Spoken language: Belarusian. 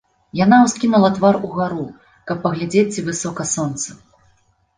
Яна ўскінула твар угару, каб паглядзець, ці высока сонца.